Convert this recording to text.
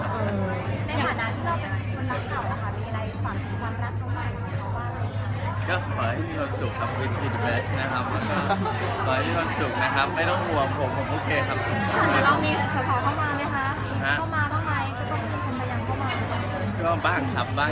ในขณะที่เราเป็นส่วนรักหน่อยเป็อจีนไทยผลักธุ์รักตัวใหม่มีคำว่าอะไร